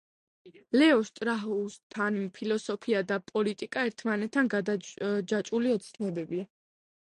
ლეო შტრაუსთან ფილოსოფია და პოლიტიკა ერთმანეთთნ გადაჯაჭვული ცნებებია.